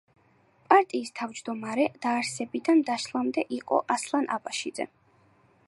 პარტიის თავმჯდომარე დაარსებიდან დაშლამდე იყო ასლან აბაშიძე.